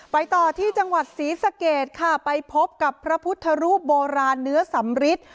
ไปต่อที่จังหวัดศรีสะเกดค่ะไปพบกับพระพุทธรูปโบราณเนื้อสำริท